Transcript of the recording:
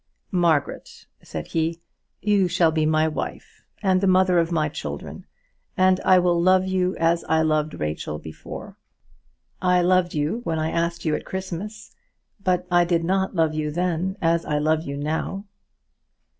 "Margaret," said he, "you shall be my wife, and the mother of my children, and I will love you as I loved Rachel before. I loved you when I asked you at Christmas, but I did not love you then as I love you now."